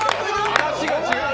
話が違う！